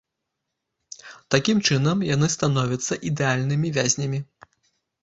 Такім чынам, яны становяцца ідэальнымі вязнямі.